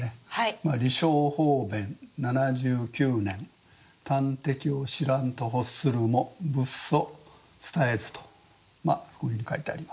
「利生方便七十九年端的を知らんと欲するも仏祖伝えず」とこういうふうに書いてあります。